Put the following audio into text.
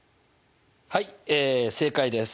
はい正解です。